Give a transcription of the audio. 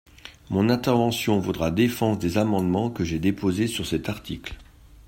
Mon intervention vaudra défense des amendements que j’ai déposés sur cet article.